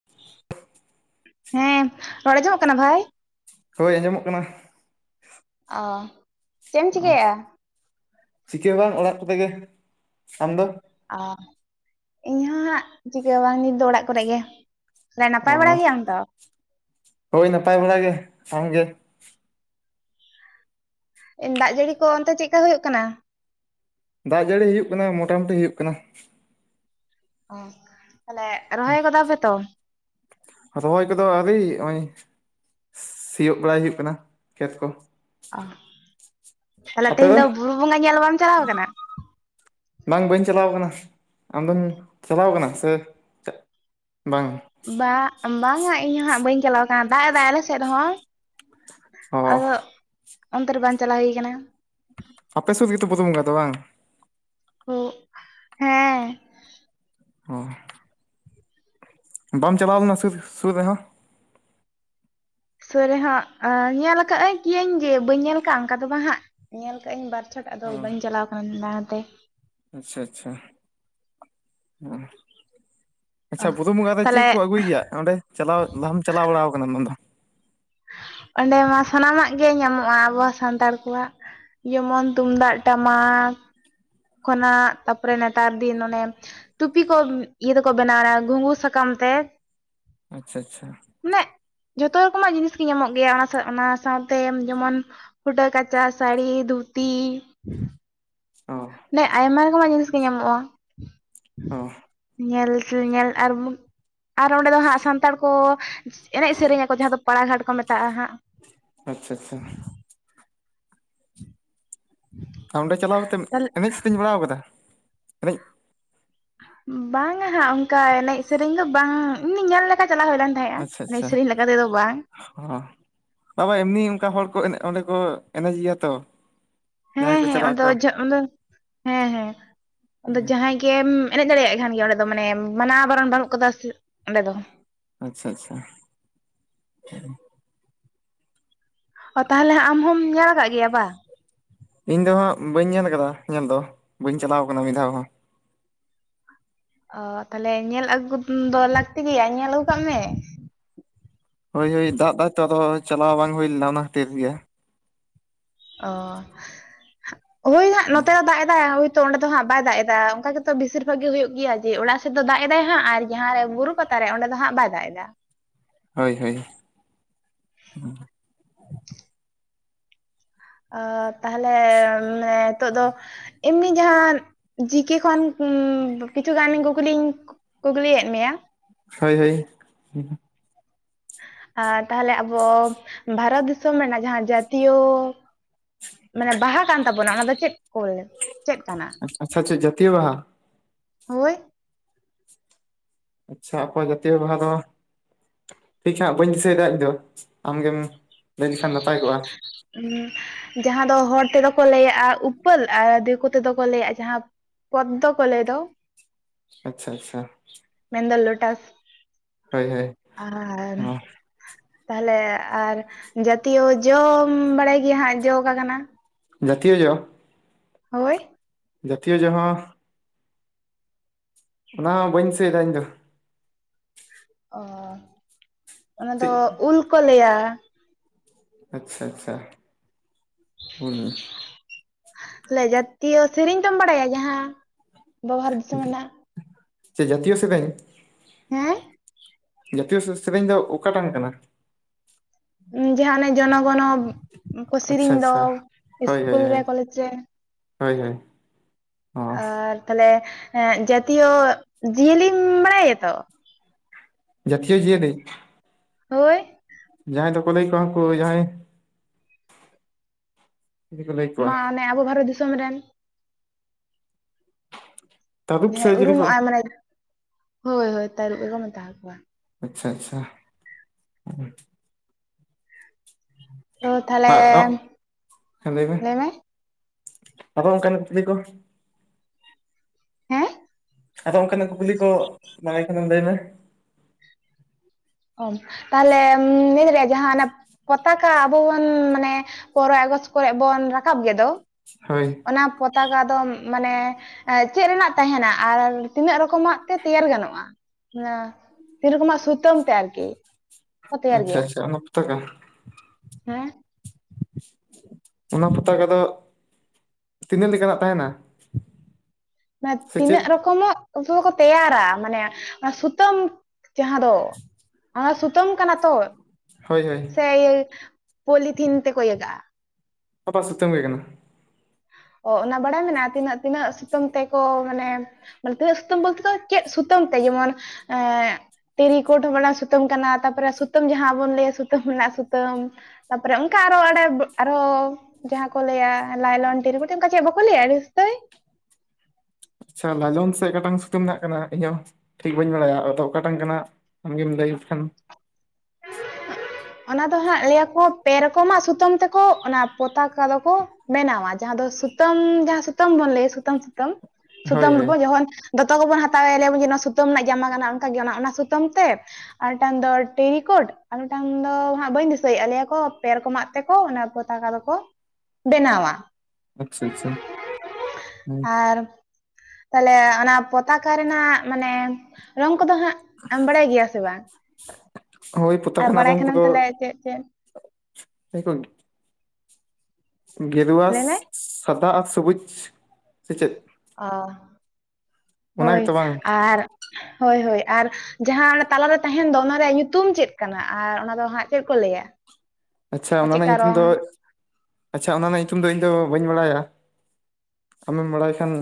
[inaudible] ᱦᱮᱸ ᱨᱚᱲ ᱟᱸᱡᱚᱢᱚᱜ ᱠᱟᱱᱟ ᱵᱷᱟᱭ? ᱦᱳᱭ ᱟᱸᱡᱚᱢᱚᱜ ᱠᱟᱱᱟ᱾ ᱚ ᱪᱮᱫ ᱮᱢ ᱚ ᱪᱤᱠᱟᱹᱭᱮᱜᱼᱟ? ᱪᱤᱠᱟᱹ ᱦᱚᱸ ᱵᱟᱝ ᱚᱲᱟᱜ ᱠᱚᱨᱮ ᱜᱮ, ᱟᱢ ᱫᱚ? ᱚ ᱤᱧ ᱦᱚᱸ ᱦᱟᱸᱜ ᱪᱤᱠᱟᱹ ᱵᱟᱝ ᱱᱤᱛ ᱫᱚ ᱚᱲᱟᱜ ᱠᱚᱨᱮ ᱜᱮ᱾ ᱛᱟᱦᱮᱞᱮ ᱚ ᱱᱟᱯᱟᱭ ᱵᱟᱲᱟ ᱜᱮᱭᱟᱢ ᱛᱚ? ᱦᱳᱭ ᱱᱟᱯᱟᱭ ᱵᱟᱲᱟ ᱜᱮ, ᱟᱢᱜ? ᱫᱟᱜ ᱡᱟᱹᱲᱤ ᱠᱚ ᱚᱱᱛᱮ ᱪᱤᱠᱠᱟ ᱦᱩᱭᱩᱜᱭᱳᱜ ᱠᱟᱱᱟ? ᱫᱟᱜ ᱡᱟᱹᱲᱤ ᱦᱩᱭᱩᱜ ᱠᱟᱱᱟ ᱢᱚᱴᱟᱢᱩᱴᱤ ᱦᱩᱭᱩᱜ ᱠᱟᱱᱟ᱾ ᱚ ᱛᱟᱦᱚᱞᱮ ᱨᱚᱦᱚᱭ ᱜᱟᱫᱟ ᱯᱮ ᱛᱚ? ᱨᱚᱦᱚᱭ ᱠᱚᱫᱚ ᱟᱹᱣᱨᱤ ᱱᱚᱜᱭ ᱥᱤᱻᱥᱤᱭᱳᱜ ᱵᱟᱲᱟᱭ ᱦᱩᱭᱩᱜ ᱠᱟᱱᱟ ᱠᱷᱮᱛ ᱠᱚ᱾ ᱚ ᱛᱟᱦᱚᱞᱮ ᱛᱮᱦᱮᱧ ᱫᱚ ᱵᱩᱨᱩ ᱵᱚᱸᱜᱟ ᱧᱮᱞ ᱵᱟᱢ ᱪᱟᱞᱟᱣ ᱠᱟᱱᱟ? ᱵᱟᱝ ᱵᱟᱹᱧ ᱪᱟᱞᱟᱣ ᱟᱠᱟᱱᱟ, ᱟᱢ ᱫᱚᱢ ᱪᱟᱞᱟᱣ ᱟᱠᱟᱱᱟ ᱥᱮ ᱵᱟᱝ ᱵᱟ ᱵᱟᱝᱟ ᱤᱧ ᱦᱚᱸ ᱦᱟᱜ ᱵᱟᱹᱧ ᱪᱟᱞᱟᱣ ᱠᱟᱱᱟ ᱫᱟᱜ ᱮᱫᱟᱭ ᱟᱞᱮ ᱥᱮᱫ ᱦᱚᱸ᱾ ᱚ ᱟᱫᱚ ᱚᱱᱛᱮ ᱨᱮ ᱵᱟᱝ ᱪᱟᱞᱟᱣ ᱦᱩᱭ ᱠᱟᱱᱟ᱾ ᱟᱯᱮ ᱥᱮᱫ ᱜᱮᱛᱚ ᱵᱩᱨᱩ ᱵᱚᱸᱜᱟ ᱫᱚ ᱵᱟᱝ? ᱦᱳᱜ ᱦᱮᱸ᱾ ᱚ ᱵᱟᱢ ᱪᱟᱞᱟᱣ ᱞᱮᱱᱟ ᱥᱩᱫ ᱥᱩᱨ ᱨᱮ ᱦᱚᱸ? ᱥᱩᱨ ᱨᱮᱦᱚᱸ ᱦᱟᱸᱜ ᱧᱮᱞ ᱟᱠᱟᱫ ᱜᱤᱭᱟᱹᱧ ᱡᱮ ᱵᱟᱹᱧ ᱧᱮᱞ ᱟᱠᱟᱫᱼᱟ ᱚᱱᱠᱟ ᱫᱚ ᱵᱟᱝ ᱦᱟᱸᱜ, ᱧᱮᱞ ᱠᱟᱜᱟᱹᱧ ᱵᱟᱨ [inaudible] ᱪᱷᱚᱴ ᱫᱚ ᱚ ᱵᱟᱹᱧ ᱪᱟᱞᱟᱣ ᱟᱱᱟ ᱛᱮ᱾ ᱟᱪᱪᱷᱟ, ᱟᱪᱪᱷᱟ ᱚ᱾ ᱚ ᱟᱪᱪᱷᱟ ᱵᱩᱨᱩ ᱵᱚᱸᱜᱟ ᱨᱮ ᱪᱮᱫ ᱛᱟᱦᱞᱮ ᱠᱚ ᱟᱹᱜᱩᱭ ᱜᱮᱭ ᱚᱸᱰᱮ ᱪᱟᱞᱟᱣ ᱵᱟᱢ ᱪᱟᱞᱟᱣ ᱵᱟᱲᱟ ᱟᱠᱟᱱᱟ ᱟᱢ ᱫᱚ? ᱚᱸᱰᱮ ᱢᱟ ᱥᱟᱱᱟᱢᱟᱜ ᱜᱮ ᱧᱟᱢᱚᱜᱼᱟ ᱟᱵᱚ ᱥᱟᱱᱛᱟᱲ ᱠᱚᱣᱟᱜ᱾ ᱡᱮᱢᱚᱱ ᱛᱩᱢᱫᱟᱜ ᱴᱟᱢᱟᱠ ᱠᱷᱚᱱᱟᱜ ᱛᱟᱨᱯᱚᱨᱮ ᱱᱮᱛᱟᱨ ᱫᱤᱱ ᱚᱱᱮ ᱴᱩᱯᱤ ᱠᱚ ᱤᱭᱟᱹ ᱫᱚᱠᱚ ᱵᱮᱱᱟᱣᱱᱟ ᱜᱩᱝᱜᱩ ᱥᱟᱠᱟᱢ ᱛᱮ ᱟᱪᱪᱷᱟ ᱟᱪᱪᱷᱟ ᱢᱮᱜ ᱡᱷᱚᱛᱚ ᱨᱚᱠᱚᱢᱟᱜ ᱡᱤᱱᱤᱥ ᱜᱮ ᱧᱟᱢᱚᱜ ᱜᱮᱭᱟ ᱚᱱᱟ ᱥᱟᱶᱛᱮ ᱡᱮᱢᱚᱱ ᱯᱷᱩᱴᱟᱹᱠᱟᱪᱟ ᱥᱟᱲᱤ ᱫᱷᱩᱛᱤ ᱚ ᱚᱸᱰᱮ ᱟᱭᱢᱟ ᱨᱮᱠᱚᱢᱟᱜ ᱡᱤᱱᱤᱥ ᱜᱮ ᱧᱟᱢᱚᱜᱼᱟ, ᱚ ᱧᱮᱞ ᱧᱮᱞ ᱟᱨ ᱢᱩᱠ ᱟᱨ ᱚᱸᱰᱮ ᱫᱚ ᱦᱟᱸᱜ ᱥᱟᱱᱛᱟᱲ ᱠᱚ ᱮᱱᱮᱡ ᱥᱮᱨᱮᱧ ᱟᱠᱚ ᱡᱟᱦᱟᱸ ᱫᱚ ᱯᱟᱲᱟᱜᱷᱟᱴ ᱠᱚ ᱢᱮᱛᱟᱜᱼᱟ ᱦᱟᱸᱜ᱾ ᱟᱪᱪᱷᱟ ᱟᱪᱪᱷᱟ᱾ ᱚᱸᱰᱮ ᱪᱟᱞᱟᱣ ᱠᱟᱛᱮ ᱛᱟᱦᱞᱮ ᱮᱱᱮᱡ ᱥᱮᱨᱮᱧ ᱵᱟᱲᱟ ᱟᱠᱟᱫᱟ? ᱮᱱᱮᱡ ᱵᱟᱝᱟ ᱦᱟᱸᱜ ᱚᱱᱠᱟ ᱮᱱᱮᱡ ᱥᱮᱨᱮᱧ ᱫᱚ ᱵᱟᱝ ᱤᱢᱱᱤ ᱧᱮᱞ ᱞᱮᱠᱟ ᱪᱟᱞᱟᱣ ᱦᱩᱭ ᱞᱮᱱ ᱛᱟᱦᱮᱸᱜᱼᱟ ᱟᱪᱪᱷᱟ ᱮᱱᱮᱡ ᱟᱪᱪᱷᱟ ᱥᱮᱨᱮᱧ ᱞᱮᱠᱟ ᱛᱮᱫᱚ ᱵᱟᱝ ᱦᱚᱸ ᱵᱟ ᱵᱟ ᱮᱢᱱᱤ ᱚᱱᱠᱟ ᱦᱚᱲ ᱠᱚ ᱮᱱᱮ ᱚᱸᱰᱮ ᱠᱚ ᱮᱱᱮᱡ ᱜᱮᱭᱟ ᱛᱚ ᱦᱮᱸ ᱡᱟᱦᱟᱸᱭ ᱠᱚ ᱦᱮᱸ ᱪᱟᱞᱟᱜ ᱟᱫᱚ ᱟᱠᱚ [unintelligible] ᱚᱸᱰᱮ ᱦᱮᱸ ᱦᱮᱸ ᱡᱟᱦᱟᱸᱭ ᱜᱮᱢ ᱮᱱᱮᱡ ᱫᱟᱲᱮᱭᱟᱜ ᱠᱟᱱ ᱜᱮᱭᱟ ᱞᱮ ᱢᱟᱱᱮ ᱢᱟᱱᱟᱣ ᱵᱟᱨᱚᱱ ᱵᱟᱹᱱᱩᱜ ᱠᱟᱫᱟ ᱥᱮ ᱚᱸᱰᱮ ᱫᱚ ᱟᱪᱪᱷᱟ ᱟᱪᱪᱷᱟ ᱚ ᱛᱟᱦᱚᱞᱮ ᱟᱢ ᱦᱚᱢ ᱧᱮᱞ ᱟᱠᱟᱫ ᱜᱮᱭᱟ ᱵᱟᱝ ᱤᱧ ᱫᱚ ᱦᱟᱸᱜ ᱵᱟᱹᱧ ᱧᱮᱞ ᱟᱠᱟᱫᱟ ᱧᱮᱞ ᱫᱚ ᱵᱟᱹᱧ ᱪᱟᱞᱟᱣ ᱟᱠᱟᱱᱟ ᱢᱤᱫ ᱫᱷᱟᱣ ᱦᱚᱸ ᱚ ᱛᱟᱦᱞᱮ ᱧᱮᱞ ᱟᱹᱜᱩ ᱫᱚ ᱞᱟᱹᱠᱛᱤ ᱜᱮᱭᱟ ᱧᱮᱞ ᱟᱹᱜᱩ ᱠᱟᱜ ᱢᱮ ᱦᱳᱭ ᱦᱳᱭ ᱫᱟᱜ ᱫᱟᱭᱛᱚ ᱟᱫᱚ ᱪᱟᱞᱟᱣ ᱵᱟᱝ ᱦᱩᱭ ᱞᱮᱱᱟ ᱚᱱᱟ ᱠᱷᱟᱹᱛᱤᱨ ᱜᱮ ᱚ ᱦᱳᱭ ᱦᱟᱜ ᱱᱚᱛᱮ ᱦᱚᱸ ᱫᱟᱜ ᱮᱫᱟᱭ ᱛᱚ ᱚᱱᱰᱮ ᱫᱚ ᱦᱟᱸ ᱵᱟᱭ ᱫᱟᱜ ᱮᱫᱟ ᱚᱱᱠᱟ ᱜᱮᱛᱚ ᱵᱮᱥᱤᱨ ᱵᱷᱟᱜᱽ ᱜᱮ ᱦᱩᱭᱩᱜ ᱜᱮᱭᱟ ᱡᱮ ᱚᱲᱟᱜ ᱥᱮᱫ ᱫᱚ ᱫᱟᱜ ᱮᱟᱭ ᱦᱟᱸᱜ ᱟᱨ ᱡᱟᱦᱟᱸ ᱨᱮ ᱵᱩᱨᱩ ᱯᱟᱛᱟ ᱨᱮ ᱚᱸᱰᱮ ᱫᱚ ᱦᱟᱜ ᱵᱟᱭ ᱫᱟᱜ ᱮᱫᱟ ᱦᱳᱭ ᱦᱳᱭ ᱚ ᱛᱟᱦᱟᱞᱮ ᱱᱤᱛᱚᱜ ᱫᱚ ᱮᱢᱱᱤ ᱡᱟᱦᱟᱸ ᱡᱤᱠᱮ ᱠᱷᱚᱱ ᱠᱤᱪᱷᱩ ᱜᱟᱱ ᱠᱩᱠᱞᱤᱧ ᱠᱩᱠᱞᱤᱭᱮᱫ ᱢᱮᱭᱟ ᱦᱳᱭ ᱦᱳᱭ ᱟᱨ ᱛᱟᱦᱚᱞᱮ ᱟᱵᱚ ᱵᱷᱟᱨᱚᱛ ᱫᱤᱥᱚᱢ ᱨᱮᱱᱟᱜ ᱡᱟᱦᱟᱸ ᱡᱟᱹᱛᱤᱭᱚ ᱢᱟᱱᱮ ᱵᱟᱦᱟ ᱠᱟᱱ ᱛᱟᱵᱚᱱᱟ ᱚᱱᱟ ᱫᱚ ᱪᱮᱫ ᱠᱚ ᱵᱚᱞᱮ ᱪᱮᱫ ᱠᱟᱱᱟ ᱟᱪᱪᱷᱟ ᱟᱪᱪᱷᱟ ᱡᱟᱛᱤᱭᱚ ᱵᱟᱦᱟ ᱦᱳᱭ ᱟᱪᱪᱷᱟ ᱟᱠᱚᱣᱟᱜ ᱡᱟᱛᱤᱭᱚ ᱵᱟᱦᱟ ᱫᱚ ᱴᱷᱤᱠ ᱦᱟᱜ ᱵᱟᱹᱧ ᱫᱤᱥᱟᱹᱭ ᱮᱫᱟ ᱤᱧ ᱫᱚ ᱟᱢᱜᱮᱢ ᱞᱟᱹᱭ ᱞᱮᱠᱷᱟᱱ ᱱᱟᱯᱟᱭ ᱠᱚᱜᱼᱟ ᱡᱟᱦᱟᱸ ᱫᱚ ᱦᱚᱲ ᱛᱮᱫᱚ ᱠᱚ ᱞᱟᱹᱭᱟᱜᱼᱟ ᱩᱯᱟᱹᱞ ᱟᱨ ᱫᱤᱠᱩ ᱛᱮᱫᱚ ᱠᱚ ᱞᱟᱹᱭᱟᱜᱼᱟ ᱡᱟᱦᱟᱸ ᱯᱚᱫᱫᱚ ᱠᱚ ᱞᱮ ᱫᱚ ᱾ ᱟᱪᱪᱷᱟ ᱟᱪᱪᱷᱟ ᱢᱮᱱ ᱫᱚ ᱞᱳᱴᱟᱥ ᱦᱳᱭ ᱦᱳᱭ ᱟᱨ ᱛᱟᱦᱚᱞᱮ ᱟᱨ ᱡᱟᱛᱤᱭᱚ ᱡᱚ ᱵᱟᱲᱟᱭ ᱜᱮᱮ ᱦᱟᱸᱜ ᱡᱚ ᱠᱟᱱᱟ᱾ ᱡᱟᱹᱛᱤᱭ ᱡᱚ ᱾ ᱦᱳᱭ ᱡᱟᱛᱤᱭᱚ ᱡᱚᱢᱟᱸ, ᱚᱱᱟ ᱦᱚᱸ ᱵᱟᱹᱧ ᱫᱤᱥᱟᱹᱭᱮᱫᱟ ᱤᱧ ᱫᱚ᱾ ᱚᱻ ᱚᱱᱟ ᱫᱚ ᱪᱮᱫ ᱩᱞ ᱠᱩ ᱞᱟᱹᱭᱟ, ᱟᱪᱪᱷᱟ ᱟᱪᱪᱷᱟ ᱩᱞ ᱞᱟ ᱡᱟᱛᱤᱭᱚ ᱥᱮᱨᱤᱧ ᱫᱚᱢ ᱵᱟᱲᱟᱭᱟ ᱡᱟᱦᱟᱸ ᱵᱟ ᱵᱷᱟᱨᱚᱛ ᱫᱤᱥᱚᱢ ᱨᱮᱱᱟᱜ᱾ ᱥᱮ ᱡᱟᱛᱤᱭᱚ ᱥᱮᱨᱤᱧ, ᱦᱮᱸᱻ, ᱾ ᱡᱟᱹᱛᱤᱭᱚ ᱥᱮᱼᱥᱮᱥᱮᱨᱮᱧ ᱫᱚ ᱚᱠᱟᱴᱟᱝ ᱠᱟᱱᱟ? ᱡᱟᱦᱟᱸ ᱚᱱᱮ ᱡᱚᱱᱚᱜᱚᱱᱚ ᱠᱚ ᱟᱪᱪᱷᱟ ᱥᱮᱨᱤᱧ ᱫᱚ ᱟᱪᱪᱷᱟ ᱦᱳᱭ ᱦᱳᱭ ᱤᱥᱠᱩᱞ ᱨᱮ ᱠᱚᱞᱮᱡᱽ ᱨᱮ, ᱦᱳᱭ, ᱦᱳᱭ ᱚ ᱟᱨ ᱛᱟᱦᱚᱞᱮ, ᱮᱸᱼᱫ ᱡᱟᱛᱤᱭᱚ ᱡᱤᱭᱟᱹᱞᱤᱢ ᱵᱟᱲᱟᱭᱟᱛᱚ? ᱡᱟᱛᱤᱭᱚ ᱡᱤᱭᱟᱹᱞᱤ, ᱦᱳᱼᱤᱭ ᱾ ᱡᱟᱦᱟᱸᱭ ᱫᱚᱠᱩ ᱞᱟᱹᱭ ᱠᱚᱣᱟ ᱠᱩ ᱡᱟᱦᱟᱸᱭ, ᱪᱤᱞᱤ ᱠᱚ ᱞᱟᱹᱭ ᱠᱚᱣᱟ ᱢᱟ ᱚᱱᱮ ᱟᱵᱩ ᱵᱷᱟᱨᱚᱛ ᱫᱤᱥᱚᱢ ᱨᱮᱱ, ᱛᱟᱹᱨᱩᱵ ᱦᱮᱸ ᱥᱮ ᱪᱤᱞᱤ ᱠᱚ ᱩᱨᱩᱢᱚᱜ ᱟᱭ ᱢᱟᱱᱮ ᱦᱳᱭ, ᱦᱳᱭ ᱛᱟᱹᱨᱩᱵᱽ ᱜᱮᱠᱚ ᱢᱮᱛᱟᱠᱚᱣᱟ᱾ ᱟᱪᱪᱷᱟ, ᱟᱪᱪᱷᱟ ᱾ ᱛᱚ ᱛᱟᱦᱞᱮ [unintelligible] ᱦᱮᱸ ᱞᱟᱹᱭ ᱢᱮ, ᱟᱫᱚ ᱚᱱᱠᱟᱱ ᱠᱩᱠᱞᱤ ᱠᱚ᱾ ᱦᱮᱸ, ᱟᱫᱚ ᱚᱱᱠᱟᱱᱟᱜ ᱠᱩᱠᱞᱤ ᱠᱚ ᱵᱟᱲᱟᱭ ᱠᱷᱟᱱᱮᱢ ᱞᱟᱹᱭ ᱢᱮ, ᱚ, ᱛᱟᱦᱞᱮ ᱢᱮᱱ ᱨᱮᱭᱟᱜ ᱡᱟᱦᱟᱸ ᱚᱱᱟ ᱯᱛᱟᱠᱟ ᱟᱵᱩ ᱵᱚᱱ ᱢᱟᱱᱮ ᱯᱚᱱᱼᱨᱚᱭ ᱟᱜᱚᱥᱴ ᱠᱚᱨᱮ ᱵᱚᱱ ᱨᱟᱠᱟᱵ ᱜᱮ ᱫᱚ, ᱦᱳᱭ ᱚᱱᱟ ᱯᱚᱛ ᱛᱟᱜᱟ ᱫᱚᱢ, ᱢᱟᱱᱮ, ᱪᱮᱫ ᱨᱮᱱᱟᱜ ᱛᱟᱦᱮᱱᱟ? ᱟᱨ ᱛᱤᱱᱟᱹᱜ ᱨᱚᱠᱚᱢᱟᱜ ᱛᱮ, ᱛᱮᱭᱟᱨ ᱜᱟᱱᱚᱜᱼᱟ? ᱚᱱᱟ ᱛᱤᱨᱚᱠᱚᱢᱟ ᱥᱩᱛᱟᱹᱢ ᱛᱮ ᱟᱨᱠᱤ, ᱠᱚ ᱛᱮᱭᱟᱨ ᱟᱼᱪᱪᱷᱟ, ᱜᱮᱭᱟ ᱪᱪᱷᱟ, ᱚᱱᱟ ᱯᱚᱛᱟᱠᱟ ᱦᱮᱸ, ᱚᱱᱟ ᱯᱚᱛᱟᱠᱟ ᱫᱚ ᱛᱤᱱᱟᱹᱜ ᱞᱮᱠᱟᱱᱟᱜ ᱛᱟᱦᱮᱸᱱᱟ, [unintelligible] ᱛᱤᱱᱟᱹᱜ ᱨᱚᱠᱚᱢᱳᱜ ᱠᱚ ᱛᱮᱭᱟᱨᱟ, ᱢᱟᱱᱮ, ᱥᱩᱛᱟᱹᱢ ᱡᱟᱦᱟᱸ ᱫᱚ ᱚᱱᱟ ᱥᱩᱛᱟᱹᱢ ᱠᱟᱱᱟ ᱛᱚ, ᱦᱳᱭ ᱦᱳᱭ ᱥᱮ ᱤᱭᱟ. ᱯᱚᱞᱤᱛᱷᱤᱱ ᱛᱮᱠᱚ ᱤᱭᱟᱹᱠᱟᱜᱼᱟ, ᱟᱫᱚ ᱥᱮᱛᱳᱝ ᱮ ᱠᱟᱱᱟ ᱾ ᱚ ᱚᱱᱟ ᱵᱟᱲᱟᱭ ᱢᱮᱱᱟᱜᱼᱟ ᱛᱤᱱᱟᱹᱜ ᱛᱤᱱᱟᱹᱜ ᱥᱤᱛᱩᱝ ᱛᱮᱠᱚ ᱢᱟᱱᱮ ᱢᱟᱱᱮ ᱛᱤᱱᱟᱹᱜ ᱥᱩᱛᱟᱹᱢ ᱵᱚᱞᱛᱮ ᱫᱚ ᱪᱮᱫ ᱥᱩᱛᱟᱹᱢ ᱛᱮ? ᱡᱮᱢᱚᱱ ᱮᱸ ᱴᱤᱨᱤᱠᱚᱴ ᱦᱚᱸ [unintelligible] ᱥᱩᱛᱟᱹᱢ ᱠᱟᱱᱟ ᱛᱟᱯᱚᱨᱮ ᱥᱩᱛᱟᱹᱢ ᱡᱟᱦᱟᱸ ᱵᱚᱱ ᱞᱟᱹᱭᱟ ᱥᱩᱛᱟᱹᱢ ᱨᱮᱱᱟᱜ ᱥᱩᱛᱟᱹᱢ᱾ ᱛᱟᱯᱚᱨᱮ ᱚᱱᱠᱟ ᱟᱨᱚ [inaudible] ᱟᱨᱚ ᱡᱟᱦᱟᱸ ᱠᱚ ᱞᱟᱹᱭᱟ ᱞᱟᱭᱞᱚᱱ ᱴᱤᱨᱤᱠᱳᱴ ᱚᱱᱠᱟ ᱪᱮᱫ ᱵᱟᱠᱚ ᱞᱟᱹᱭᱟ [unintelligible] ᱟᱪᱪᱷᱟ ᱞᱟᱭᱞᱚᱱ ᱥᱮ ᱚᱠᱟᱴᱟᱝ ᱥᱩᱛᱟᱹᱢ ᱨᱮᱱᱟᱜ ᱟᱠᱟᱱᱟ, ᱤᱧ ᱦᱚᱸ ᱴᱷᱤᱠ ᱵᱟᱹᱧ ᱵᱟᱲᱟᱭᱟ? ᱟᱫᱚ ᱚᱠᱟᱴᱟᱝ ᱠᱟᱱᱟ ᱾ ᱟᱢᱜᱮᱢ ᱞᱟᱹᱭ ᱞᱮᱠᱷᱟᱱ? ᱚᱱᱟ ᱫᱚ ᱦᱟᱸᱜ, ᱞᱟᱹᱭ ᱟᱠᱩ, ᱯᱮ ᱨᱚᱠᱚᱢᱟᱜ ᱥᱩᱛᱟᱹᱢ ᱛᱮᱠᱚ, ᱚᱱᱟ ᱯᱚᱛᱟᱠᱟ ᱫᱚ ᱠᱩ ᱵᱮᱱᱟᱣᱟ, ᱡᱟᱦᱟᱸ ᱫᱚ ᱥᱩᱛᱟᱹᱢ, ᱡᱟᱦᱟᱸ ᱥᱩᱛᱟᱹᱢ ᱵᱚᱱ ᱞᱟᱹᱭᱟ ᱾ ᱥᱩᱛᱟᱹᱢ, ᱥᱩᱛᱟᱹᱢ ᱦᱳᱭ ᱥᱩᱛᱟᱹᱢ ᱨᱮ ᱦᱳᱭ ᱵᱚ, ᱡᱮᱢᱚᱱ ᱫᱚᱛᱚ ᱜᱮᱵᱚᱱ ᱦᱟᱛᱟᱣᱮ ᱞᱟᱹᱭᱟᱵᱚᱱ ᱡᱮ ᱱᱚᱶᱟ ᱥᱩᱛᱟᱹᱢ ᱨᱮᱱᱟᱜ ᱡᱟᱢᱟ ᱠᱟᱱᱟ ᱚᱱᱠᱟᱜᱮ ᱚᱱᱟ ᱚᱱᱟ ᱥᱩᱛᱟᱹᱢ ᱛᱮ ᱟᱨ ᱢᱤᱫ ᱴᱟᱝ ᱫᱚ ᱴᱮᱨᱤᱠᱳᱴ ᱟᱨ ᱢᱤᱫ ᱴᱟᱝ ᱫᱚ ᱦᱟᱸᱜ ᱵᱟᱹᱧ ᱫᱤᱥᱟᱹᱭᱮᱫᱼᱟ ᱞᱮᱭᱟ ᱠᱚ ᱯᱮ ᱨᱠᱚᱢᱟᱜ ᱛᱮᱠᱚ ᱚᱱᱟ ᱯᱚᱛᱟᱠᱟ ᱫᱚᱠᱚ ᱵᱮᱱᱟᱣᱟ? ᱟᱪᱪᱷᱟ ᱟᱪᱪᱷᱟ ᱦᱮᱸ ᱟᱨ ᱛᱟᱦᱞᱮ ᱚᱱᱟ ᱯᱚᱛᱟᱠᱟ ᱨᱮᱱᱟᱜ ᱢᱟᱱᱮ ᱨᱚᱝ ᱠᱚᱫᱚ ᱦᱟᱸᱜ ᱟᱢ ᱵᱟᱲᱟᱭ ᱜᱮᱭᱟ ᱥᱮ ᱵᱟᱝ ᱦᱳᱭ ᱟᱨ ᱯᱚᱛᱟᱠᱟ ᱨᱮᱱᱟᱜ ᱵᱟᱲᱟᱭ ᱨᱚᱝ ᱠᱷᱟᱱᱮᱢ ᱠᱚᱫᱚ ᱛᱟᱦᱞᱮ ᱪᱮᱫ ᱪᱮᱫ [unintelligible] ᱜᱮᱨᱣᱟᱥ ᱞᱟᱹᱭ ᱢᱮ ᱥᱟᱫᱟ ᱟᱨ ᱥᱚᱵᱩᱡ ᱥᱮᱪᱮᱫ ᱚ ᱦᱳᱭ ᱜᱮᱛᱚ ᱵᱟᱝ ᱟᱨ ᱦᱳᱭ ᱦᱳᱭ ᱟᱨ ᱡᱟᱦᱟᱸ ᱚᱱᱟ ᱛᱟᱞᱟᱨᱮ ᱛᱟᱦᱮᱱ ᱫᱚ ᱚᱱᱟ ᱨᱮᱭᱟᱜ ᱧᱩᱛᱩᱢ ᱪᱮᱫ ᱠᱟᱱᱟ ᱟᱨ ᱚᱱᱟ ᱫᱚ ᱦᱟᱸᱜ ᱪᱮᱫ ᱠᱚ ᱞᱟᱹᱭᱟ ᱟᱪᱪᱷᱟ ᱟᱨ ᱚᱱᱟ ᱨᱮᱱᱟᱜ ᱪᱮᱫᱠᱟ ᱧᱩᱛᱩᱢ ᱨᱚᱝ ᱫᱚ ᱟᱪᱪᱷᱟ ᱚᱱᱟ ᱨᱮᱱᱟᱜ ᱧᱩᱛᱩᱢ ᱫᱚ ᱤᱧ ᱫᱚ ᱵᱟᱹᱧ ᱵᱟᱲᱟᱭᱟ ᱟᱢᱮᱢ ᱵᱟᱲᱟᱭ ᱠᱷᱟᱱ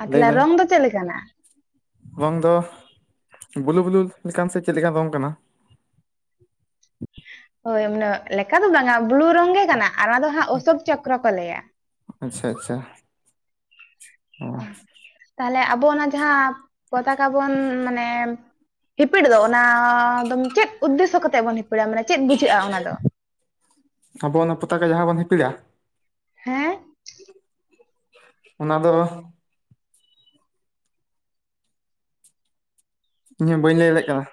ᱟᱨ ᱞᱟᱹᱭ ᱛᱟᱦᱚᱞᱮ ᱢᱮ ᱨᱚᱝ ᱫᱚ ᱪᱮᱫ ᱞᱮᱠᱟᱱᱟ ᱨᱚᱝ ᱫᱚ ᱵᱞᱩ ᱵᱞᱩ ᱞᱮᱠᱟᱱ ᱥᱮ ᱪᱮᱫ ᱞᱮᱠᱟᱱ ᱨᱚᱝ ᱠᱟᱱᱟ ᱦᱳᱭ ᱩᱱᱟᱹᱜ [unintelligible] ᱞᱮᱠᱟ ᱫᱚ ᱵᱟᱝᱟ ᱵᱞᱩ ᱨᱚᱝ ᱜᱮ ᱠᱟᱱᱟ ᱟᱨ ᱚᱱᱟ ᱫᱚ ᱦᱟᱸᱜ ᱚᱥᱳᱠ ᱪᱚᱠᱨᱚ ᱠᱚ ᱞᱟᱹᱭᱟ ᱟᱪᱪᱷᱟ ᱟᱪᱪᱷᱟ ᱚ, ᱛᱟᱦᱞᱮ ᱟᱵᱚ ᱚᱱᱟ ᱡᱟᱦᱟᱸ ᱯᱚᱛᱠᱟ ᱵᱚᱱ ᱢᱟᱱᱮ ᱦᱤᱯᱤᱲ ᱫᱚ ᱚᱱᱟ ᱫᱚᱢ ᱪᱮᱫ ᱩᱫᱽᱫᱮᱥᱥᱚ ᱠᱟᱛᱮᱫ ᱵᱚᱱ ᱦᱤᱯᱤᱲᱟ ᱢᱟᱱᱮ ᱪᱮᱫ ᱵᱩᱡᱷᱟᱹᱜᱼᱟ ᱚᱱᱟ ᱫᱚ ᱟᱵᱚ ᱚᱱᱟ ᱯᱚᱛᱟᱠᱟ ᱡᱟᱦᱟᱸ ᱵᱚᱱ ᱦᱤᱯᱤᱲᱟ ᱦᱮᱸ ᱚᱱᱟ ᱫᱚ ᱤᱧ ᱦᱚᱸ ᱵᱟᱹᱧ ᱞᱟᱹᱭ ᱫᱟᱲᱭᱟᱜ ᱠᱟᱱᱟ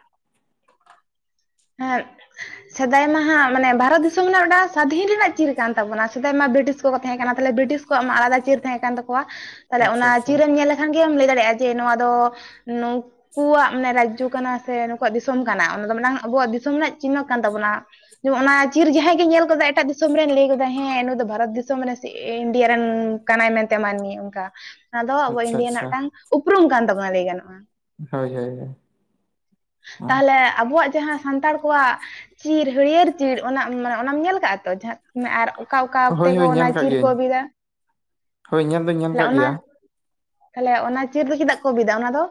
ᱟᱨ [inaudible] ᱥᱮᱫᱟᱭ ᱢᱟ ᱦᱟᱸᱜ ᱢᱟᱱᱮ ᱵᱷᱟᱨᱚᱛ ᱫᱤᱥᱚᱢ ᱨᱮᱱᱟᱜ ᱢᱤᱫᱴᱟᱝ ᱥᱟᱫᱷᱤᱱ ᱨᱮᱱᱟᱜ ᱪᱤᱨ ᱠᱟᱱ ᱛᱟᱵᱚᱱᱟ ᱥᱮᱫᱟᱭ ᱢᱟ ᱵᱨᱤᱴᱤᱥ ᱠᱚ ᱠᱚ ᱛᱟᱦᱮᱸ ᱠᱟᱱᱟ ᱛᱟᱦᱚᱞᱮ ᱵᱨᱤᱴᱤᱥ ᱩᱱᱠᱩ ᱣᱟᱜ ᱢᱟ ᱟᱞᱟᱫᱟ ᱪᱤᱨ ᱛᱟᱦᱮᱸ ᱠᱟᱱ ᱛᱟᱠᱚᱣᱟ ᱛᱟᱦᱚᱞᱮ ᱟᱪᱪᱷᱟ ᱚᱱᱟ ᱟᱪᱪᱷᱟ ᱪᱤᱨᱮᱢ ᱧᱮᱞ ᱞᱮᱠᱷᱟᱱ ᱜᱮᱢ ᱞᱟᱹᱭ ᱫᱟᱲᱮᱭᱟᱜᱼᱟ ᱡᱮ ᱱᱚᱣᱟ ᱫᱚ ᱱᱩᱠᱩᱣᱟᱜ ᱢᱟᱱᱮ ᱨᱟᱡᱽᱡᱚ ᱠᱟᱱᱟ ᱥᱮ ᱱᱩᱠᱩᱣᱟᱜ ᱫᱤᱥᱚᱢ ᱠᱟᱱᱟ ᱚᱱᱟ ᱫᱚ ᱢᱮᱱᱟᱝ ᱟᱵᱚᱣᱟᱜ ᱫᱤᱥᱚᱢ ᱨᱮᱱᱟᱜ ᱪᱤᱱᱱᱚ ᱠᱟᱱ ᱛᱟᱵᱚᱱᱟ ᱡᱮᱢ [inaudible] ᱚᱱᱟ ᱪᱤᱨ ᱡᱟᱦᱟᱸᱭ ᱜᱮ ᱧᱮᱞ ᱜᱚᱫᱟᱭ ᱮᱴᱟᱜ ᱫᱤᱥᱚᱢ ᱨᱮᱱ ᱞᱟᱹᱭ ᱫᱚᱫᱟᱭ ᱦᱮᱸ ᱱᱩᱭ ᱫᱚ ᱵᱷᱟᱨᱚᱛ ᱫᱤᱥᱚᱢ ᱢᱟᱱᱮ [unintelligible] ᱤᱱᱰᱤᱭᱟ ᱨᱮᱱ ᱠᱟᱱᱟᱭ ᱢᱮᱱᱛᱮ ᱢᱟᱹᱱᱢᱤ ᱚᱱᱠᱟ ᱚᱱᱟ ᱫᱚ ᱟᱵᱚ ᱟᱪᱪᱷᱟ ᱤᱱᱰᱤᱭᱟ ᱨᱮᱱᱟᱜ ᱟᱪᱪᱷᱟ ᱢᱤᱫᱴᱟᱝ ᱩᱯᱨᱩᱢ ᱠᱟᱱ ᱛᱟᱵᱚᱱᱟ ᱞᱟᱹᱭ ᱜᱟᱱᱚᱜᱼᱟ ᱦᱳᱭ ᱦᱳᱭ ᱦᱳᱭ ᱛᱟᱦᱚᱞᱮ ᱟᱵᱚᱣᱟᱜ ᱡᱟᱦᱟᱸ ᱥᱟᱱᱛᱟᱲ ᱠᱚᱣᱟᱜ ᱪᱤᱨ ᱦᱟᱹᱨᱭᱟᱹᱲ ᱪᱤᱨ ᱚᱱᱟ ᱢᱟᱱᱮ ᱚᱱᱟᱢ ᱧᱮᱞ ᱠᱟᱜᱼᱟ ᱛᱚ ᱡᱟᱦᱟᱸ ᱟᱨ ᱚᱠᱟ ᱚᱠᱟ ᱚ ᱚᱠᱛᱮ ᱦᱳᱭ ᱠᱚ ᱦᱳᱭ ᱚᱱᱟ ᱧᱮᱞ ᱠᱟᱜ ᱪᱤᱨ ᱠᱚ ᱜᱤᱭᱟᱹᱧ ᱵᱤᱫᱼᱟ ᱦᱳᱭ ᱧᱮᱞ ᱫᱩᱧ ᱧᱮᱞ ᱟᱠᱟᱫ ᱜᱮᱭᱟ ᱛᱟᱦᱚᱞᱮ ᱚᱱᱟ ᱪᱤᱨ ᱫᱚ ᱪᱮᱫᱟᱜ ᱠᱚ ᱵᱤᱫᱟ ᱚᱱᱟ ᱫᱚ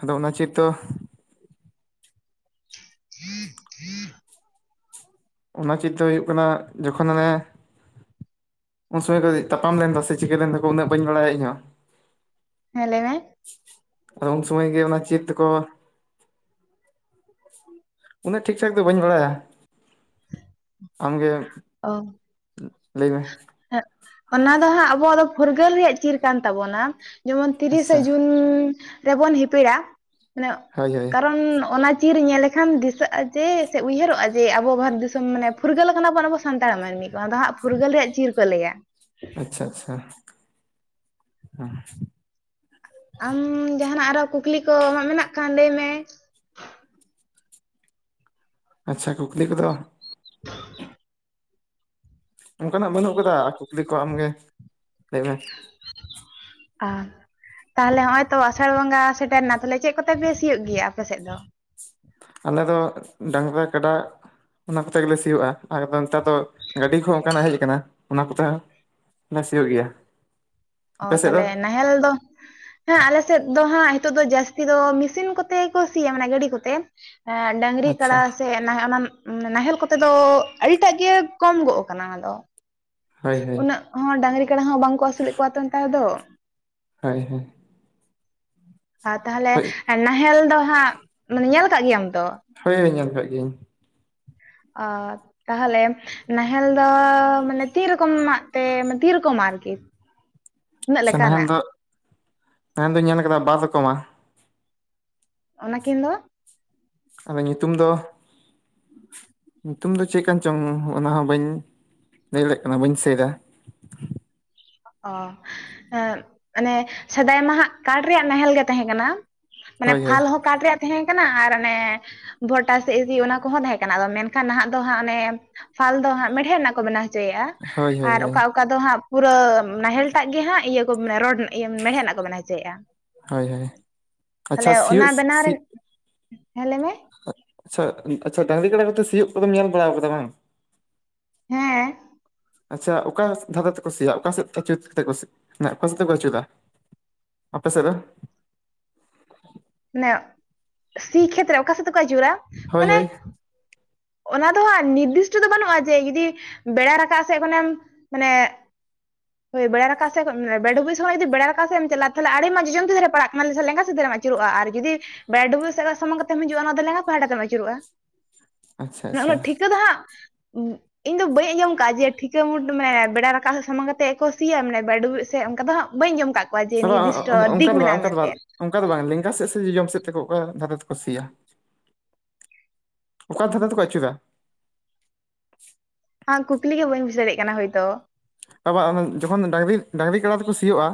ᱟᱫᱚ ᱚᱱᱟ ᱪᱮᱫ ᱫᱚ ᱚᱱᱟ ᱪᱤᱨ ᱫᱚ ᱦᱩᱭᱩᱜ ᱠᱟᱱᱟ ᱡᱚᱠᱷᱚᱱ ᱚᱱᱮ ᱩᱱ ᱥᱚᱢᱚᱭ ᱫᱚ ᱛᱟᱯᱟᱢ ᱞᱮᱱ ᱫᱚ ᱥᱮ ᱪᱤᱠᱟᱹ ᱞᱮᱱ ᱫᱚᱠᱚ ᱩᱱᱟᱹᱜ ᱵᱟᱹᱧ ᱵᱟᱲᱟᱭᱟ ᱤᱧ ᱦᱚᱸ ᱦᱮᱸ ᱞᱟᱹᱭ ᱢᱮ ᱟᱫᱚ ᱩᱱ ᱥᱚᱢᱚᱭ ᱜᱮ ᱚᱱᱟ ᱪᱤᱨ ᱫᱚᱠᱚ ᱩᱱᱟᱹᱜ ᱴᱷᱤᱠ ᱴᱷᱟᱠ ᱫᱚ ᱵᱟᱹᱧ ᱵᱟᱲᱟᱭᱟ ᱟᱢᱜᱮ ᱞᱟᱹᱭ ᱢᱮ ᱦᱮᱸ ᱚᱱᱟ ᱫᱚ ᱦᱟᱸᱜ ᱟᱵᱚᱣᱟᱜ ᱫᱚ ᱯᱷᱩᱨᱜᱟᱹᱞ ᱨᱮᱭᱟᱜ ᱪᱤᱨ ᱠᱟᱱ ᱛᱟᱵᱚᱱᱟ ᱡᱮᱢᱚᱱ ᱛᱤᱨᱤᱥᱮ ᱟᱪᱪᱷᱟ ᱡᱩᱱ ᱨᱮᱵᱚᱱ ᱦᱤᱯᱤᱲᱟ ᱢᱟᱱᱮ ᱦᱳᱭ ᱦᱳᱭ ᱠᱟᱨᱚᱱ ᱚᱱᱟ ᱪᱤᱨ ᱧᱮᱞ [inaudible] ᱠᱷᱟᱱ ᱫᱤᱥᱟᱹᱜᱼᱟ ᱡᱮ ᱥᱮ ᱩᱭᱦᱟᱹᱨᱚᱜᱼᱟ ᱡᱮ ᱟᱵᱚ ᱵᱷᱟᱨᱚᱛ ᱫᱤᱥᱚᱢ ᱢᱟᱱᱮ ᱯᱷᱩᱨᱜᱟᱹᱞ ᱠᱟᱱᱟᱵᱚᱱ ᱟᱵᱚ ᱥᱟᱱᱛᱟᱲ ᱢᱟᱹᱱᱢᱤ ᱠᱚ ᱫᱚ ᱦᱟᱸᱜ ᱯᱷᱩᱨᱜᱟᱹᱞ ᱨᱮᱭᱟᱜ ᱪᱤᱨ ᱠᱚ ᱞᱟᱹᱭᱟ ᱟᱪᱪᱷᱟ ᱟᱪᱪᱷᱟ [inaudible] ᱟᱢ ᱡᱟᱦᱟᱱᱟᱜ ᱟᱨᱚ ᱠᱩᱠᱞᱤ ᱠᱚ ᱟᱢᱟᱜ ᱢᱮᱱᱟᱜ ᱠᱷᱟᱱ ᱞᱟᱹᱭ ᱢᱮ ᱟᱪᱪᱷᱟ ᱠᱩᱠᱞᱤ ᱠᱚ ᱫᱚ ᱚᱱᱠᱟᱱᱟᱜ ᱵᱟᱹᱱᱩᱜ ᱟᱠᱟᱫᱟ ᱠᱩᱠᱞᱤ ᱠᱚ ᱟᱢᱜᱮ ᱞᱟᱹᱭ ᱢᱮ ᱟ [unintelligible] ᱛᱟᱦᱚᱞᱮ ᱱᱚᱜ ᱚᱭ ᱛᱚ ᱟᱥᱟᱲ ᱵᱚᱸᱜᱟ ᱥᱮᱴᱮᱨ ᱮᱱᱟ ᱛᱟᱦᱚᱞᱮ ᱪᱮᱫ ᱠᱚᱛᱮ ᱯᱮ ᱥᱤᱭᱟᱹ ᱜᱮᱭᱟ ᱟᱯᱮᱥᱮᱫ ᱫᱚ ᱟᱞᱮ ᱫᱚ ᱰᱟᱝᱨᱟ ᱠᱟᱰᱟ ᱚᱱᱟ ᱠᱚᱛᱮ ᱜᱮᱞᱮ ᱥᱤᱭᱳᱜᱼᱟ ᱟᱞᱮ ᱫᱚ ᱱᱮᱛᱟᱨ ᱫᱚ ᱜᱟᱹᱰᱤ ᱠᱚᱦᱚ ᱚᱱᱠᱟᱱᱟᱜ ᱦᱮᱡ ᱟᱠᱟᱱᱟ ᱚᱱᱟ ᱠᱚᱛᱮ ᱥᱤᱭᱳᱜ ᱜᱮᱭᱟ ᱚ ᱟᱯᱮ ᱥᱮᱫ ᱫᱚ ᱛᱟᱦᱚᱞᱮ ᱱᱟᱦᱮᱞ ᱫᱚ ᱦᱮᱸ ᱟᱞᱮ ᱥᱮᱫ ᱫᱚ ᱦᱟᱸᱜ ᱱᱤᱛᱚᱜ ᱫᱚ ᱡᱟᱹᱥᱛᱤ ᱫᱚ ᱢᱮᱥᱤᱱ ᱠᱚᱛᱮ ᱜᱮ ᱠᱚ ᱥᱤᱭᱟ ᱢᱟᱱᱮ ᱜᱟᱹᱰᱤ ᱠᱚᱛᱮ ᱦᱮᱸ ᱰᱟᱝᱨᱤ ᱠᱟᱲᱟ ᱟᱪᱪᱷᱟ ᱥᱮ [unintelligible] ᱚᱱᱟ ᱱᱟᱦᱮᱞ ᱠᱚᱛᱮ ᱫᱚ ᱟᱹᱰᱤᱴᱟᱜ ᱜᱮ ᱠᱚᱢ ᱜᱚᱜ ᱠᱟᱱᱟ ᱚᱱᱟ ᱫᱚ ᱦᱳᱭ ᱦᱳᱭ ᱩᱱᱟᱹᱜ ᱦᱚᱸ ᱰᱟᱹᱟᱝᱨᱤ ᱠᱟᱰᱟ ᱦᱚᱸ ᱵᱟᱝᱠᱚ ᱟᱹᱥᱩᱞᱮᱫ ᱠᱚᱣᱟ ᱛᱚ ᱱᱮᱛᱟᱨ ᱫᱚ ᱦᱳᱭ ᱦᱳᱭ ᱟᱨ ᱛᱟᱦᱚᱞᱮ ᱦᱳᱭ ᱱᱟᱦᱮᱞ ᱫᱚ ᱦᱟᱸᱜ ᱢᱟᱱᱮ ᱧᱮᱞ ᱠᱟᱜ ᱜᱮᱭᱟᱢ ᱛᱚ ᱦᱳᱭ ᱧᱮᱞ ᱠᱟᱜ ᱜᱤᱧ ᱟ ᱛᱟᱦᱚᱞᱮ ᱱᱟᱦᱮᱞ ᱫᱚ ᱢᱟᱱᱮ ᱛᱤᱱ ᱨᱚᱠᱚᱢᱟᱜ ᱢᱟᱱᱮ ᱛᱤᱱ ᱨᱚᱠᱚᱢ ᱟᱨᱠᱤ ᱛᱤᱱᱟᱹᱜ ᱟᱪᱪᱷᱟ ᱱᱟᱦᱮᱞ ᱞᱮᱠᱟᱱᱟᱜ ᱫᱚ ᱱᱟᱦᱮᱞ ᱫᱚᱧ ᱧᱮᱞ ᱟᱠᱟᱫᱟ ᱵᱟᱨ ᱨᱚᱠᱚᱢᱟ ᱚᱱᱟᱠᱤᱱ ᱫᱚ ᱟᱫᱚ ᱧᱩᱛᱩᱢ ᱫᱚ ᱧᱩᱛᱩᱢ ᱫᱚ ᱪᱮᱫᱠᱟᱱ ᱪᱚᱝ ᱚᱱᱟ ᱦᱚᱸ ᱵᱟᱹᱧ ᱞᱟᱹᱭ ᱫᱟᱲᱮ ᱠᱟᱱᱟ ᱵᱟᱹᱧ ᱫᱤᱥᱟᱹᱭ ᱮᱫᱟ ᱚ [unintelligible] ᱢᱟᱱᱮ ᱥᱮᱫᱟᱭ ᱢᱟ ᱦᱟᱸᱜ ᱠᱟᱴ ᱨᱮᱭᱟᱜ ᱱᱟᱦᱮᱞ ᱜᱮ ᱛᱟᱦᱮᱸ ᱠᱟᱱᱟ ᱢᱟᱱᱮ ᱦᱳᱭ ᱦᱳᱭ ᱯᱷᱟᱞ ᱦᱚᱸ ᱠᱟᱴ ᱨᱮᱭᱟᱜ ᱛᱟᱦᱮᱸ ᱠᱟᱱᱟ ᱟᱨ ᱚᱱᱮ ᱵᱷᱴᱟ ᱥᱮ [unintelligible] ᱚᱱᱟ ᱠᱚᱦᱚᱸ ᱛᱟᱦᱮᱸ ᱠᱟᱱᱟ ᱢᱮᱱᱠᱷᱟᱱ ᱱᱟᱦᱟᱜ ᱫᱚ ᱦᱟᱸᱜ ᱚᱱᱮ ᱯᱷᱟᱞ ᱫᱚ ᱦᱟᱸᱜ ᱢᱮᱲᱦᱮᱫ ᱨᱮᱱᱟᱜ ᱠᱚ ᱵᱮᱱᱟᱣ ᱦᱚᱪᱚᱭᱮᱫᱼᱟ ᱦᱳᱭ ᱦᱳᱭ ᱟᱨ ᱦᱳᱭ ᱚᱠᱟ ᱚᱠᱟ ᱫᱚ ᱦᱟᱸᱜ ᱯᱩᱨᱟᱹ ᱱᱟᱦᱮᱞ ᱴᱟᱜ ᱜᱮ ᱦᱟᱸᱜ ᱤᱭᱟᱹ ᱠᱚ ᱨᱚᱲ ᱤᱭᱟᱹ ᱢᱮᱦᱮᱫ ᱨᱮᱱᱟᱜ ᱠᱚ ᱵᱮᱱᱟ ᱦᱚᱪᱚᱭᱮᱫᱼᱟ ᱦᱳᱭ ᱦᱳᱭ ᱛᱟᱦᱞᱮ ᱟᱪᱪᱷᱟ ᱚᱱᱟ ᱥᱤᱭᱳᱜ ᱵᱮᱱᱟᱣ ᱥᱤ ᱨᱮᱱ ᱦᱮᱸ ᱞᱟᱹᱭ ᱢᱮ ᱟᱪᱪᱷᱟ ᱟᱪᱪᱷᱟ ᱰᱟᱝᱨᱤ ᱠᱟᱰᱟ ᱠᱚᱫᱚ ᱥᱤᱭᱳᱜ ᱠᱚᱫᱚᱢ ᱧᱮᱞ ᱵᱟᱲᱟ ᱠᱟᱫᱟ ᱵᱟᱝ ᱦᱮᱸ ᱟᱪᱪᱷᱟ ᱚᱠᱟ ᱫᱷᱟᱨᱮ ᱛᱮᱠᱚ ᱥᱤᱭᱟᱜᱼᱟ ᱚᱠᱟ ᱥᱮᱫ ᱟᱹᱪᱩ ᱠᱟᱛᱮ [inaudible] ᱢᱟᱱᱮ ᱚᱠᱟ ᱥᱮᱫ ᱛᱮᱠᱚ ᱟᱹᱪᱩᱟ ᱚᱯᱮ ᱥᱮᱫ ᱫᱚ [inaudible] ᱢᱟᱱᱮ ᱥᱤ ᱠᱷᱮᱛᱨᱮ ᱚᱠᱟ ᱥᱮᱫ ᱛᱮ ᱠᱚ ᱡᱩᱨᱟ ᱦᱳᱭ ᱢᱟᱱᱮ ᱦᱳᱭ ᱚᱱᱟ ᱫᱚ ᱦᱟᱸᱜ ᱱᱤᱨᱫᱤᱥᱴᱚ ᱫᱚ ᱵᱟᱹᱱᱩᱜᱼᱟ ᱡᱮ ᱡᱩᱫᱤ ᱵᱮᱲᱟ ᱨᱟᱠᱟᱵ ᱥᱮᱫ ᱠᱷᱚᱱᱮᱢ ᱢᱟᱱᱮ ᱦᱳ ᱵᱮᱲᱟ ᱨᱟᱠᱟᱯ ᱥᱮᱫ [unintelligible] ᱥᱚᱢᱚᱭ ᱡᱩᱤ ᱵᱮᱲᱟ ᱨᱟᱠᱟᱯ ᱥᱮᱫ ᱪᱟᱞᱟᱜ ᱟᱢ ᱛᱚᱞᱮ ᱟᱹᱰᱤ ᱢᱚ ᱡᱚᱢᱫ ᱛᱤ ᱫᱷᱟᱨᱮ ᱯᱟᱲᱟᱜ ᱠᱟᱱᱟ ᱥᱮ ᱞᱮᱸᱜᱟ ᱥᱮᱫ ᱟᱹᱪᱩᱨᱚᱜᱼᱟ ᱟᱨ ᱡᱩᱫᱤ ᱵᱲᱟ [unintelligible] ᱥᱮᱫ ᱥᱟᱢᱟᱝ ᱠᱟᱛᱮᱢ ᱦᱤᱡᱩᱜᱼᱟ ᱚᱱᱟ ᱫᱚ ᱞᱟᱸᱜᱟ ᱯᱟᱦᱴᱟ ᱛᱮᱢ ᱟᱹᱪᱩᱨᱚᱜᱼᱟ ᱟᱪᱪᱷᱟ ᱟᱪᱪᱷᱟ ᱚᱱᱟᱹ ᱴᱷᱤᱠᱟᱹ ᱫᱚ ᱦᱟᱸᱜ [inaudible] ᱤᱧ ᱫᱚ ᱵᱟᱹᱧ ᱟᱸᱚᱢ ᱠᱟᱫ ᱡᱮ ᱴᱷᱤᱠᱟᱹ ᱢᱩᱴ ᱢᱮ ᱵᱮᱲᱟ ᱨᱟᱠᱟᱵ ᱥᱟᱢᱟᱝ ᱠᱟᱛᱮ ᱛᱮ ᱠᱚ ᱥᱤᱭᱟ ᱢᱟᱱᱮ [inaudible] ᱥᱮ ᱚᱱᱠᱟ ᱫᱚ ᱦᱟᱸᱜ ᱵᱟᱹᱧ ᱟᱸᱡᱚᱢ ᱠᱟᱜ ᱠᱚᱣᱟ ᱡᱮ ᱵᱟᱝ ᱱᱤᱨᱫᱤᱥᱴᱚ ᱚᱱᱠᱟ ᱫᱤᱠ ᱫᱚ ᱵᱟᱝ ᱢᱮᱱᱟᱜᱼᱟ ᱚᱱᱠᱟ ᱫᱚ ᱢᱮᱱᱛᱮ ᱵᱟᱝ ᱚᱱᱠᱟ ᱫᱚ ᱵᱟᱝ ᱞᱮᱸᱜᱟ ᱥᱮᱫ ᱥᱮ ᱡᱚᱡᱚᱢ ᱥᱮᱫ ᱛᱮᱠᱚ ᱚᱠᱟ ᱫᱷᱟᱨᱮ ᱛᱮᱠᱚ ᱥᱤᱭᱟ ᱚᱠᱟ ᱫᱷᱟᱨᱮ ᱛᱮᱠᱚ ᱟᱹᱪᱩᱨᱟ [unintelligible] ᱠᱩᱠᱞᱤ ᱜᱮ ᱵᱟᱹᱧ ᱵᱩᱡ ᱫᱟᱲᱭᱟᱜ ᱠᱟᱱᱟ ᱦᱳᱭᱛᱳ ᱵᱟ ᱵᱟᱝ ᱡᱚᱠᱷᱚᱱ ᱰᱟᱝᱨᱤ ᱰᱟᱝᱨᱤ ᱠᱟᱰᱟ ᱛᱮᱠᱚ ᱥᱤᱭᱳᱜᱼᱟ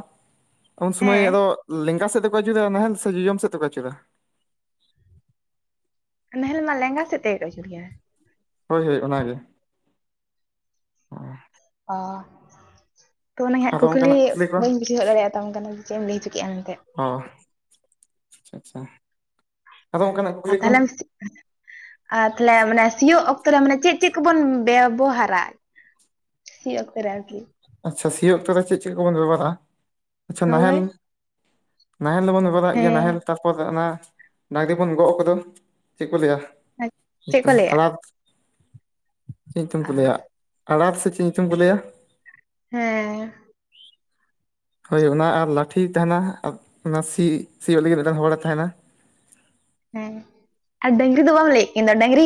ᱩᱱᱥᱩᱢᱚᱭ ᱦᱮᱸ ᱟᱫᱚ ᱞᱮᱸᱜᱟ ᱥᱮᱫ ᱛᱮ [inaudible] ᱠᱚ ᱟᱹᱪᱩᱨᱟ ᱱᱟᱦᱮᱞ ᱥᱮ ᱡᱚᱡᱚᱢ ᱥᱮᱫ ᱠᱚ ᱟᱹᱪᱩᱨᱟ ᱱᱟᱦᱮᱞ ᱢᱟ ᱞᱮᱸᱜᱟ ᱥᱮᱫ ᱛᱮᱜᱮ ᱠᱚ ᱟᱪᱩᱨ ᱜᱮᱭᱟ ᱦᱳᱭ ᱦᱳᱭ ᱚᱱᱟᱜ ᱜᱮ ᱚ ᱛᱚ ᱚᱱᱟ ᱦᱟᱸᱜ ᱟᱫᱚ ᱠᱩᱠᱞᱤ ᱚᱱᱠᱟᱱᱟᱜ ᱠᱚ ᱵᱟᱹᱧ [inaudible] ᱛᱟᱢ ᱠᱟᱱᱟ ᱪᱮᱫ ᱮᱢ ᱞᱟᱹᱭ ᱦᱚᱪ ᱠᱮᱫᱼᱟ ᱢᱮᱱᱛᱮᱫ ᱦᱚᱸ ᱟᱪᱪᱷᱟ ᱟᱪᱪᱷᱟ ᱟᱫᱚ ᱚᱱᱠᱟᱱᱟᱜ ᱟ ᱠᱩᱠᱞᱤ ᱠᱚ ᱛᱟᱦᱚᱞᱮᱢ- ᱟᱨ ᱛᱟᱦᱚᱞᱮ ᱢᱟᱱᱮ ᱥᱤᱭᱳᱜ ᱚᱠᱛᱚ ᱨᱮ ᱢᱟᱱᱮ ᱪᱮᱫ ᱪᱮᱫ ᱠᱚ ᱵᱚᱱ ᱵᱮᱵᱚᱦᱟᱨᱟ ᱥᱤ ᱚᱠᱛᱮ ᱨᱮ ᱟᱨᱠᱤ ᱟᱪᱪᱷᱟ ᱥᱤᱭᱳ ᱚᱠᱛᱚ ᱫᱚ ᱪᱮᱫ ᱪᱮᱫ ᱠᱚᱵᱚᱱ ᱵᱮᱵᱚᱦᱟᱨᱟ ᱟᱪᱪᱷᱟ ᱱᱟᱦᱮᱞ ᱦᱳᱭ ᱱᱟᱦᱮᱞ ᱫᱚᱵᱚᱱ ᱵᱮᱵᱚᱦᱟᱨ ᱮᱫ ᱜᱮᱭᱟ ᱱᱟᱦᱮᱞ ᱦᱮᱸ ᱛᱟᱨᱯᱚᱨ ᱚᱱᱟ ᱰᱟᱝᱨᱤ ᱵᱚᱱ ᱜᱚᱜ ᱠᱟᱫᱚ ᱪᱮᱫ ᱠᱚ ᱞᱟᱹᱭᱟ ᱪᱮᱫ ᱠᱚ [inaudible] ᱞᱟᱹᱭᱟ ᱛᱟᱞᱟ ᱪᱮᱫ ᱧᱩᱛᱩᱢ ᱠᱚ ᱞᱟᱹᱭᱟ ᱟᱲᱟᱥ ᱥᱮ ᱪᱮᱫ ᱧᱩᱛᱩᱢ ᱠᱚ ᱞᱟᱹᱭᱟ ᱦᱮᱸ ᱦᱳᱭ ᱚᱱᱟ ᱟᱨ ᱞᱟᱴᱷᱤ ᱛᱟᱦᱮᱱᱟ ᱟᱨ ᱚᱱᱟ ᱥᱤ ᱥᱤᱭᱳᱜ ᱞᱟᱹᱜᱤᱫ ᱢᱮᱫᱴᱟᱝ ᱦᱚᱲᱮ ᱛᱟᱦᱮᱱᱟ ᱦᱮᱸ ᱟᱨ ᱰᱟᱹᱝᱨᱤ ᱫᱚ ᱵᱟᱢ ᱞᱟᱹᱭᱮᱜ ᱠᱤᱧ ᱫᱚ ᱰᱟᱹᱝᱨᱤ